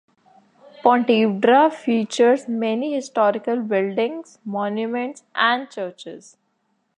Pontevedra features many historical buildings, monuments, and churches.